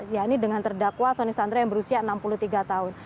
ya ini dengan terdakwa soni sandra yang berusia enam puluh tiga tahun